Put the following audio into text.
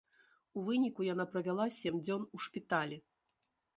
У выніку яна правяла сем дзён у шпіталі.